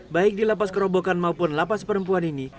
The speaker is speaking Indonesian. baik di lapas kerobokan maupun lapas perempuan ini